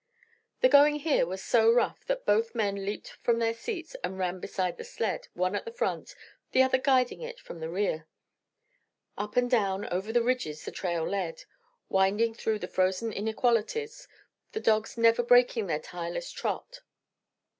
The going here was so rough that both men leaped from their seats and ran beside the sled, one at the front, the other guiding it from the rear. Up and down over the ridges the trail led, winding through the frozen inequalities, the dogs never breaking their tireless trot.